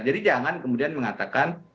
jadi jangan kemudian mengatakan